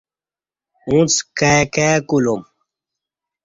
اݩڅ کائی کائی کولوم۔